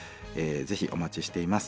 ぜひお待ちしています。